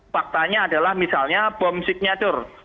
faktanya adalah misalnya bom signatur